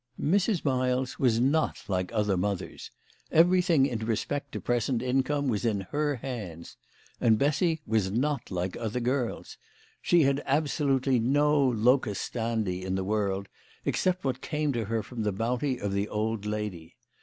Mrs. Miles was not like other mothers. Everything in respect to present income was in her hands. And Bessy was not like other girls. She had absolutely no " locus standi " in the world, except what came to her from the bounty of the old lady.